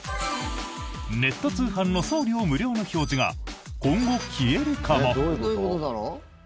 ネット通販の送料無料の表示が今後、消えるかも？